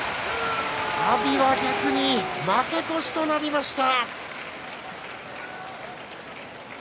阿炎は逆に負け越しとなりました。